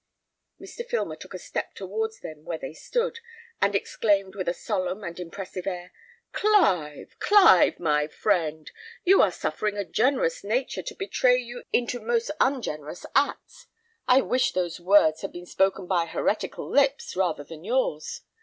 Mr. Filmer took a step towards them where they stood, and exclaimed, with a solemn and impressive air, "Clive, Clive, my friend! You are suffering a generous nature to betray you into most ungenerous acts. I wish those words had been spoken by heretical lips, rather than yours.